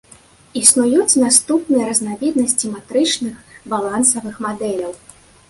Існуюць наступныя разнавіднасці матрычных балансавых мадэляў.